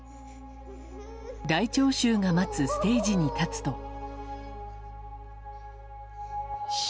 大聴衆が待つステージに立つと。